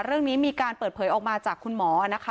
เรื่องนี้มีการเปิดเผยออกมาจากคุณหมอนะคะ